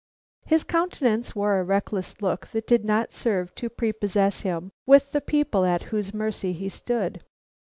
His countenance wore a reckless look that did not serve to prepossess him with the people at whose mercy he stood.